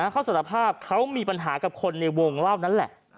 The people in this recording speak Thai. เขาสารภาพเขามีปัญหากับคนในวงเล่านั้นแหละ